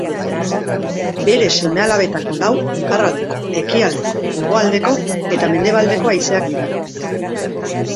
Bere seme-alabetako lau iparraldeko, ekialdeko, hegoaldeko eta mendebaldeko haizeak dira.